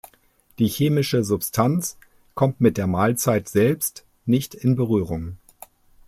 Die chemische Substanz kommt mit der Mahlzeit selbst nicht in Berührung.